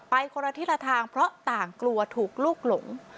คนละทิศละทางเพราะต่างกลัวถูกลูกหลง